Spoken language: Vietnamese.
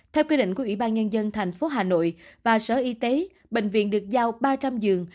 theo quy định của ủy ban nhân dân thành phố hà nội và sở y tế bệnh viện được giao ba trăm linh giường